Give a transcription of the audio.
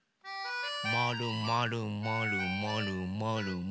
まるまるまるまるまるまる。